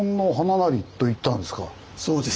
そうです。